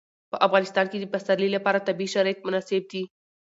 په افغانستان کې د پسرلی لپاره طبیعي شرایط مناسب دي.